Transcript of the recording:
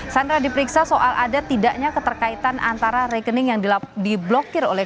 sandra diperiksa soal ada tidaknya keterkaitan antara rekening yang diblokir oleh